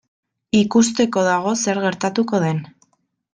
Ikusteko dago zer gertatuko den.